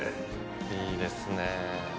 いいですね。